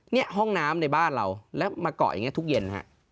นี่ห้องน้ำในบ้านเราแล้วมาเกาะอย่างนี้ทุกเย็นฮะ